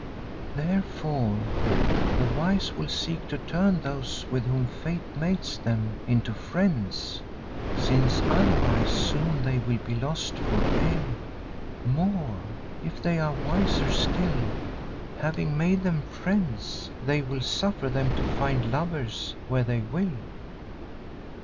"Therefore the wise will seek to turn those with whom Fate mates them into friends, since otherwise soon they will be lost for aye. More, if they are wiser still, having made them friends, they will suffer them to find lovers where they will.